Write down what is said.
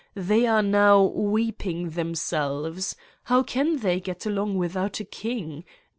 They are now weeping themselves. How can they get along without a king?